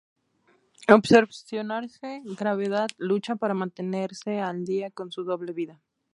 Obsesionarse, Gravedad lucha para mantenerse al día con su doble vida.